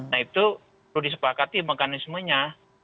nah itu perlu disepakati mekanismenya